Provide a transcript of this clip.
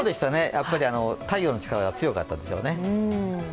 やっぱり太陽の力が強かったでしょうね。